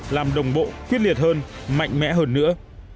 làm đồng bộ quyết liệt hơn mạnh mẽ hơn nữa